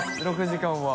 ６時間は。